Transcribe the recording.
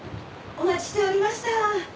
お待ちしておりました。